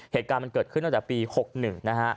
เหตุการณ์มันเกิดขึ้นตั้งแต่ปี๖๑นะฮะ